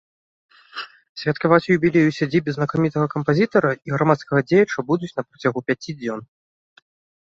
Святкаваць юбілей у сядзібе знакамітага кампазітара і грамадскага дзеяча будуць на працягу пяці дзён.